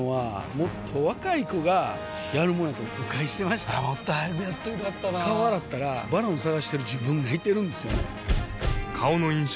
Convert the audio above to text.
もっと早くやっといたら良かったなぁ顔洗ったら「ＶＡＲＯＮ」探してる自分がいてるんですよね